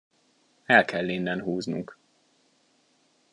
El kell innen húznunk.